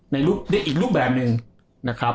ในอีกรูปแบบหนึ่งนะครับ